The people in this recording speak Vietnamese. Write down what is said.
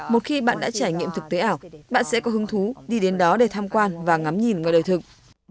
một khi bạn đã trải nghiệm thực tế ảo bạn sẽ có hứng thú đi đến đó để tham quan và ngắm nhìn người đời thực